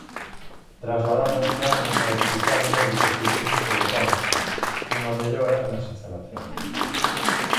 Trasladada este ano ao Hospital Médico Cirúrxico de Conxo, cunha mellora das instalacións.